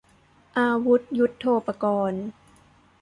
อาวุธยุทโธปกรณ์